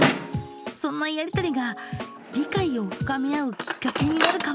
そんなやり取りが理解を深め合うきっかけになるかも。